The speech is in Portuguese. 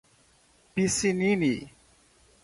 peças automotivas, comerciários, públicos, Elna, Pissinini